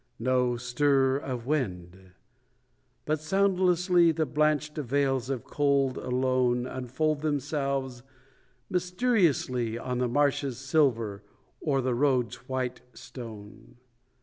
No stir of wind; but soundlessly The blanched veils of cold alone Unfold themselves mysteriously On the marshes' silver or the roads' white stone.